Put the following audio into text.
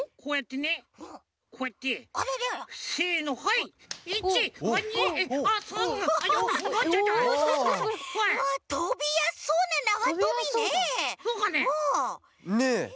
ねえ。